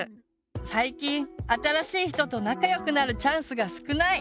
最近新しい人と仲よくなるチャンスが少ない！